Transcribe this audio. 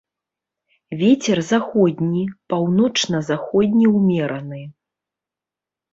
Вецер заходні, паўночна-заходні ўмераны.